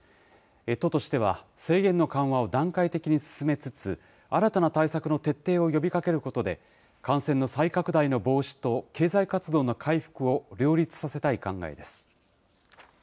都としては、制限の緩和を段階的に進めつつ、新たな対策の徹底を呼びかけることで、感染の再拡大の防止と経済活動の回復を両立させたい考えです。